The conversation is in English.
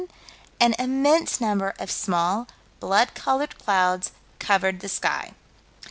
an immense number of small, blood colored clouds covered the sky.